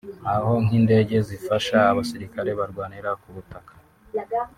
aho nk’indege zifasha abasirikare barwanira ku butaka